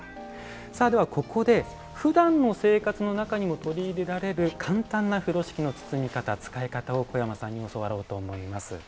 ここでふだんの生活の中にも取り入れられる簡単な風呂敷の包み方、使い方を小山さんに教わろうと思います。